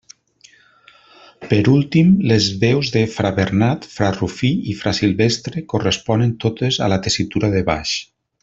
Per últim, les veus de fra Bernat, fra Rufí i fra Silvestre corresponen totes a la tessitura de baix.